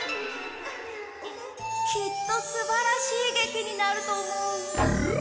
きっとすばらしい劇になると思う。